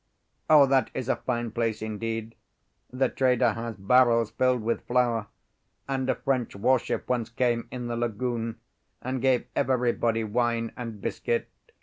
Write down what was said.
Oh, that is a fine place indeed! The trader has barrels filled with flour, and a French warship once came in the lagoon and gave everybody wine and biscuit.